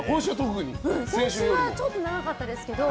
先週はちょっと長かったですけど。